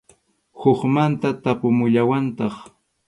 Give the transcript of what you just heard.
Hukmanta tapumuwallantaq.